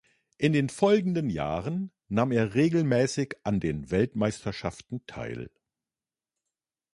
In den folgenden Jahren nahm er regelmäßig an den Weltmeisterschaften teil.